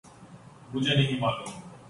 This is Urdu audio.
مجھے نہیں معلوم